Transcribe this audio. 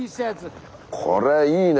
これいいね。